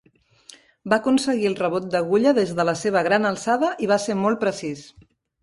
Va aconseguir el rebot d'agulla des de la seva gran alçada i va ser molt precís.